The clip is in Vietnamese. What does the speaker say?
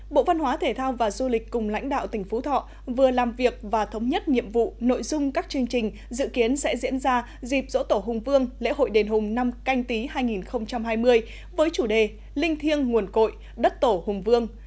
bộ văn hóa thể thao và du lịch cùng lãnh đạo tỉnh phú thọ vừa làm việc và thống nhất nhiệm vụ nội dung các chương trình dự kiến sẽ diễn ra dịp dỗ tổ hùng vương lễ hội đền hùng năm canh tí hai nghìn hai mươi với chủ đề linh thiêng nguồn cội đất tổ hùng vương